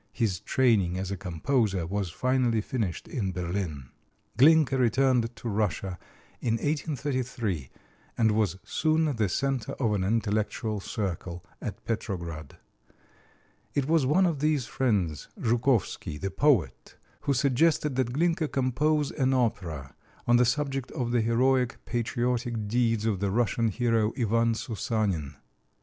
His training as a composer was finally finished in Berlin. Glinka returned to Russia in 1833, and was soon the center of an intellectual circle at Petrograd. It was one of these friends, Joukovsky, the poet, who suggested that Glinka compose an opera on the subject of the heroic patriotic deeds of the Russian hero, Ivan Soussanin.